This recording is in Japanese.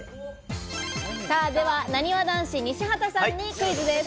では、なにわ男子・西畑さんにクイズです。